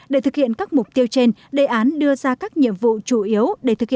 để thực hiện các mục tiêu trên đề án đưa ra các nhiệm vụ chủ yếu